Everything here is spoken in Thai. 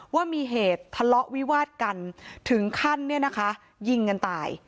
ว่ามีเหตุทะเลาะวิวาดกันถึงขั้นเนี่ยนะคะยิงกันตาย